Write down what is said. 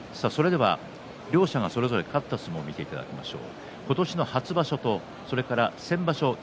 両者がそれぞれ勝った相撲を見ていただきましょう。